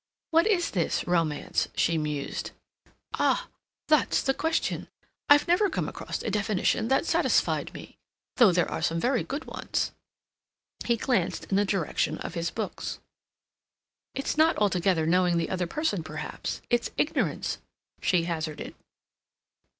"What is this romance?" she mused. "Ah, that's the question. I've never come across a definition that satisfied me, though there are some very good ones"—he glanced in the direction of his books. "It's not altogether knowing the other person, perhaps—it's ignorance," she hazarded.